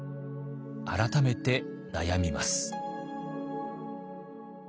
改めて悩みます。